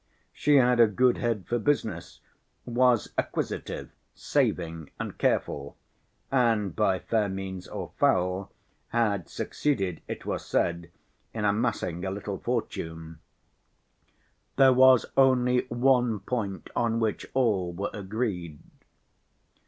She had a good head for business, was acquisitive, saving and careful, and by fair means or foul had succeeded, it was said, in amassing a little fortune. There was only one point on which all were agreed.